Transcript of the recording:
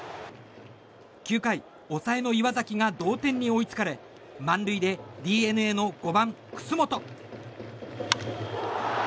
９回、抑えの岩崎が同点に追いつかれ満塁で、ＤｅＮＡの５番、楠本。